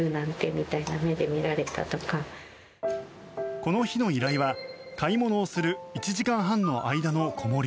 この日の依頼は、買い物をする１時間半の間の子守。